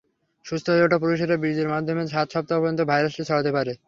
সুস্থ হয়ে ওঠা পুরুষেরা বীর্যের মাধ্যমে সাত সপ্তাহ পর্যন্ত ভাইরাসটি ছড়াতে পারে।